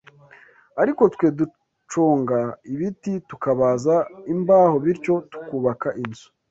ariko twe duconga ibiti tukabaza imbaho bityo tukubaka inzu.